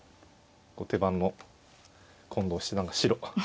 後手番の近藤七段が白。